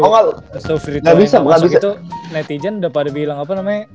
restu free throw yang gak masuk itu netizen udah pada bilang apa namanya